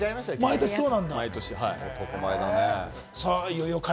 毎年そうなんです。